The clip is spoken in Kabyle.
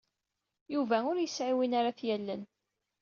Yuba ur yesɛi win ara t-yallen.